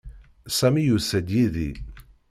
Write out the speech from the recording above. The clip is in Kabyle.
Sami yusa-d yid-i.